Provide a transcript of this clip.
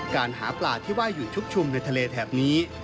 หาปลาที่ว่าอยู่ชุกชุมในทะเลแถบนี้